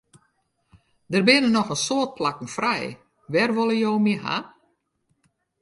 Der binne noch in soad plakken frij, wêr wolle jo my hawwe?